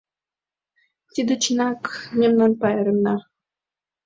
Тиде чынак мемнан пайремна...